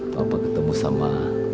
papa ketemu sama